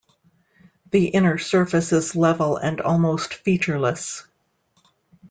The inner surface is level and almost featureless.